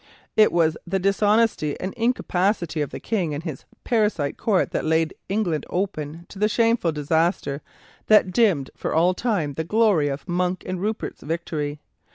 It was the dishonesty and incapacity of the King and his parasite Court that laid England open to the shameful disaster that dimmed for all time the glory of Monk and Rupert's victory.